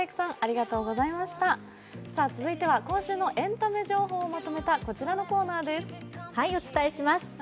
続いては、今週のエンタメ情報をまとめたこちらのコーナーです。